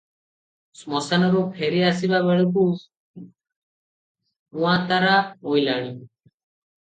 ଶ୍ମଶାନରୁ ଫେରି ଆସିବା ବେଳକୁ କୁଆଁତାରା ଉଇଁଲାଣି ।